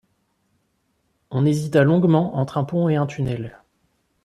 On hésita longuement entre un pont et un tunnel.